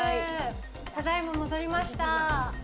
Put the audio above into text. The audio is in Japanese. ただいま戻りました。